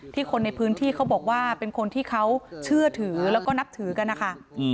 คนในพื้นที่เขาบอกว่าเป็นคนที่เขาเชื่อถือแล้วก็นับถือกันนะคะ